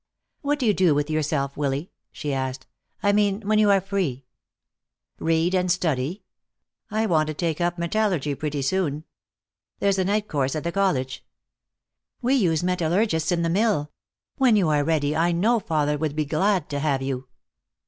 "What do you do with yourself, Willy?" she asked. "I mean when you are free?" "Read and study. I want to take up metallurgy pretty soon. There's a night course at the college." "We use metallurgists in the mill. When you are ready I know father would be glad to have you."